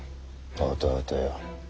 弟よ。